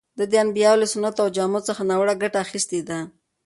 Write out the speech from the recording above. ده د انبیاوو له سنتو او جامو څخه ناوړه ګټه اخیستې ده.